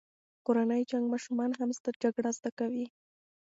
کورنی جنګ ماشومان هم جګړه زده کوي.